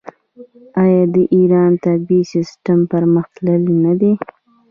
آیا د ایران طبي سیستم پرمختللی نه دی؟